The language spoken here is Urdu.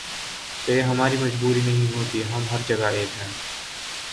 تو یہ ہماری مجبوری نہیں ہوتی، ہم ہر جگہ ایک ہیں۔